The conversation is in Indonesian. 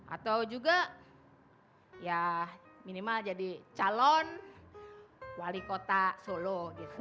atau juga ya minimal jadi calon wali kota solo gitu